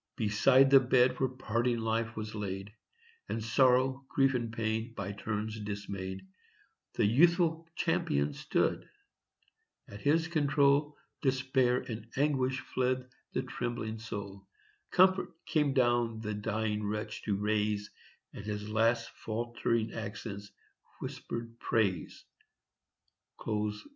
"Beside the bed where parting life was laid, And sorrow, grief and pain, by turns dismayed, The youthful champion stood: at his control Despair and anguish fled the trembling soul, Comfort came down the dying wretch to raise, And his last faltering accents whispered praise."